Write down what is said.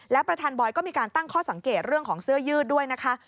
และประธานบอยก็มีการตั้งข้อสังเกตเรื่องของเสื้อยืดด้วยนะคะ